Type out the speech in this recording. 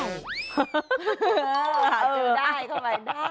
หาจือได้เข้ามาได้